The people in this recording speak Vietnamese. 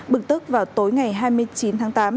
bực tức vào tối ngày hai mươi chín tháng tám